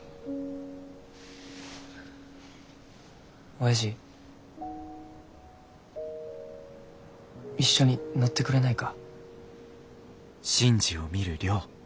おやじ一緒に乗ってくれないか。